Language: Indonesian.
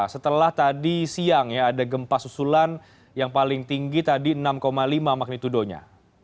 setelah tadi siang ya ada gempa susulan yang paling tinggi tadi enam lima magnitudonya